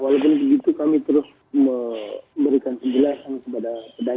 walaupun begitu kami terus memberikan penjelasan kepada pedagang